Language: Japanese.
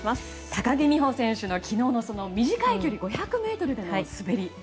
高木美帆選手の昨日の短い距離５００ｍでの滑り